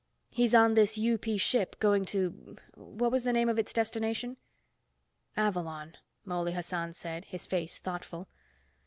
He's on this UP ship going to, what was the name of its destination?" "Avalon," Mouley Hassan said, his face thoughtful.